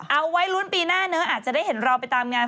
เอาไว้ลุ้นปีหน้าเนอะอาจจะได้เห็นเราไปตามงาน